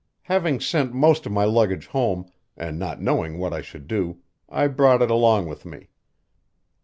Having sent most of my luggage home, and not knowing what I should do, I brought it along with me."